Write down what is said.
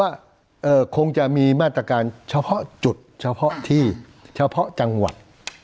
ว่าคงจะมีมาตรการเฉพาะจุดเฉพาะที่เฉพาะจังหวัด